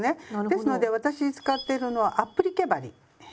ですので私使ってるのはアップリケ針になります。